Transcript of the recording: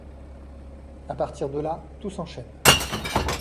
À partir de là, tout s’enchaîne.